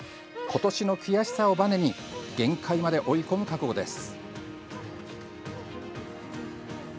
今年の悔しさをばねに限界まで追い込む覚悟です。